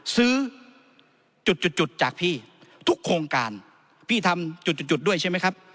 ซื้อจุดจุดจุดจากพี่ทุกโครงการพี่ทำจุดจุดด้วยใช่ไหมครับ